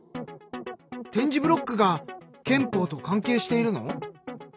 点字ブロックが憲法と関係しているの？